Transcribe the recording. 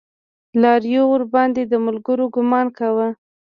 لارويو ورباندې د ملګرو ګمان کوه.